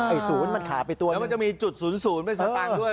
ไอ้ศูนย์มันขาดไปตัวหนึ่งแล้วมันจะมีจุดศูนย์ไปสตังค์ด้วย